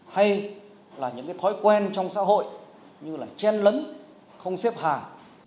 hay là những cái thói quen trong xã hội như là chen lấn không xếp hàng